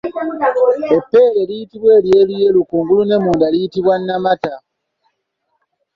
Eppeera eribeera eryeruyeru kungulu ne munda liyitibwa Nnamata.